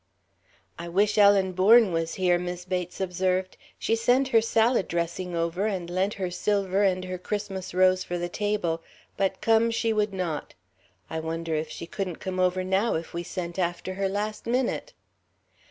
"I wish Ellen Bourne was here," Mis' Bates observed. "She sent her salad dressing over and lent her silver and her Christmas rose for the table but come she would not. I wonder if she couldn't come over now if we sent after her, last minute?"